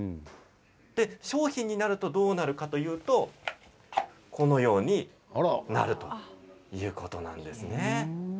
商品になるとどうなるかというとこのようになるということです。